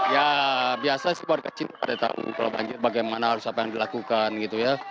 ya biasa sih warga cina pada tahu kalau banjir bagaimana harus apa yang dilakukan gitu ya